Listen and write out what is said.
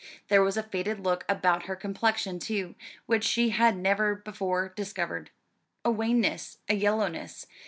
There was a faded look about her complexion, too, which she had never before discovered a wanness, a yellowness.